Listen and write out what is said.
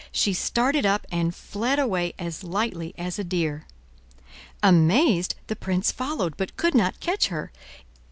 She started up, and fled away as lightly as a deer. Amazed, the prince followed, but could not catch her.